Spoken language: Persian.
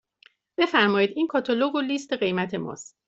بفرمایید این کاتالوگ و لیست قیمت ماست.